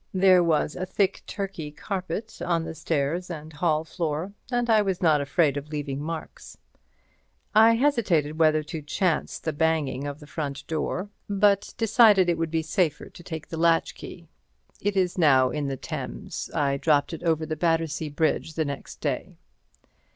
There was a thick Turkey carpet on the stairs and hall floor, and I was not afraid of leaving marks. I hesitated whether to chance the banging of the front door, but decided it would be safer to take the latchkey. (It is now in the Thames. I dropped it over Battersea Bridge the next day.)